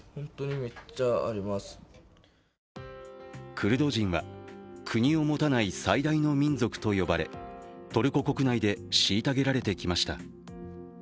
クルド人は国を持たない最大の民族と呼ばれトルコ国内で虐げられてきました。